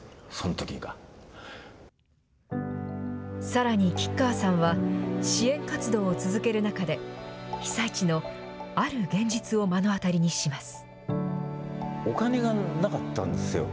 さらに、吉川さんは支援活動を続ける中で、被災地のある現実を目の当たりにします。